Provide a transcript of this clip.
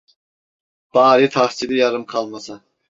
Bari tahsili yarım kalmasa!